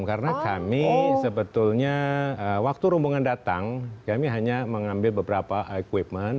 karena kami sebetulnya waktu rombongan datang kami hanya mengambil beberapa equipment